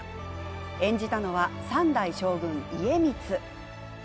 演じたのは３代将軍、家光です。